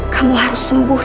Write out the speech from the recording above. kamu harus sembuh